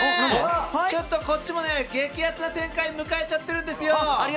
ちょっとこっちも激アツな展開を迎えちゃってるんですよ。